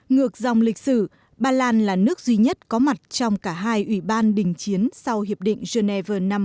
ngược dòng lịch sử ba lan là nước duy nhất có mặt trong cả hai ủy ban đình chiến sau hiệp định geneva năm một nghìn chín trăm năm mươi bốn và hiệp định paris năm một nghìn chín trăm bảy mươi ba